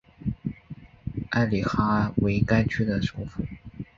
埃里哈为该区的首府。